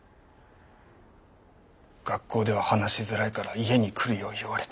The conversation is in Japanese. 学校では話しづらいから家に来るよう言われて。